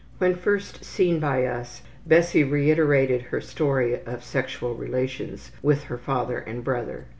When first seen by us, Bessie reiterated her story of sexual relations with her father and brother.